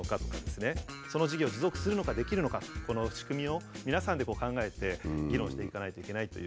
その事業を持続するのかできるのかこの仕組みを皆さんで考えて議論していかないといけないという。